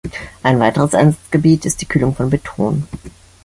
Ein weiteres Einsatzgebiet ist die Kühlung von Beton.